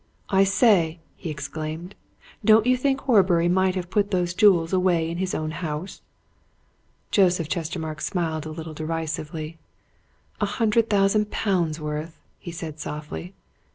"I say!" he exclaimed, "don't you think Horbury may have put those jewels away in his own house?" Joseph Chestermarke smiled a little derisively. "A hundred thousand pounds' worth!" he said softly.